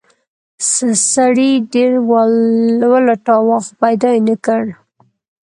سړي ډیر ولټاوه خو پیدا یې نه کړ.